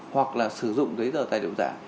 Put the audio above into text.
hoặc là sử dụng giấy tờ tài liệu giả